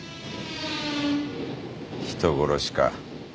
人殺しか。